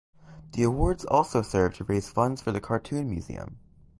The awards also serve to raise funds for the Cartoon Museum.